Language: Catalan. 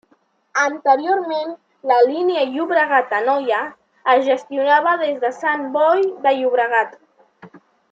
Anteriorment la línia Llobregat-Anoia es gestionava des de Sant Boi de Llobregat.